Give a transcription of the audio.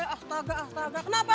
eh astaga kenapa